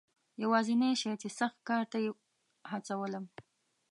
یوازنی شی چې سخت کار ته یې هڅولم.